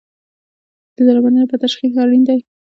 د درملنې لپاره تشخیص اړین دی